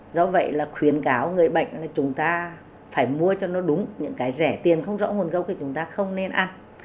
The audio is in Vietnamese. do vậy là khuyến cáo người bệnh là chúng ta phải mua cho nó đúng những cái rẻ tiền không rõ nguồn gốc thì chúng ta không nên ăn